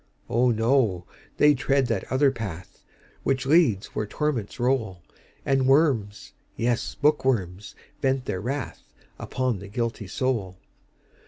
"Oh, no! they tread that other path, Which leads where torments roll, And worms, yes, bookworms, vent their wrathUpon the guilty soul.